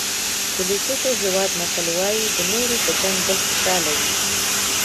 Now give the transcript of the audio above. د لېسوتو هېواد متل وایي د نورو په جنګ بل خوشحاله وي.